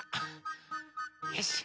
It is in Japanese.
よし。